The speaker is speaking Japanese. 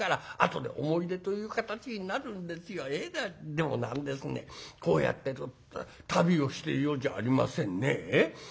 でもなんですねこうやってちょっと旅をしているようじゃありませんね。